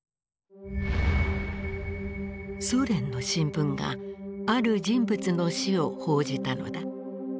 ソ連の新聞がある人物の死を報じたのだ。